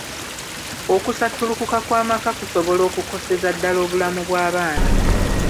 Okusattulukuka kw'amaka kusobola okukoseza ddala obulamu bw'abaana.